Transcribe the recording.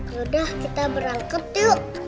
yaudah kita berangkat yuk